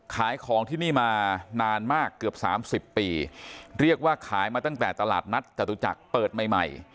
ขายของที่นี่มานานมากเกือบสามสิบปีเรียกว่าขายมาตั้งแต่ตลาดนัดจตุจักรเปิดใหม่ใหม่